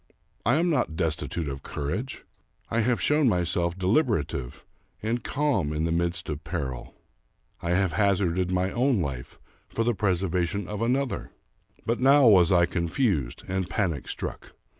I am not destitute of courage. I have shown myself de liberative and calm in the midst of peril. I have hazarded my own life for the preservation of another; but now was I confused and panic struck.